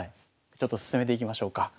ちょっと進めていきましょうか。